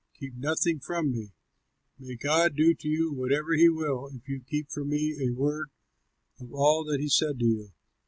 Keep nothing from me; may God do to you whatever he will, if you keep from me a word of all that he said to you."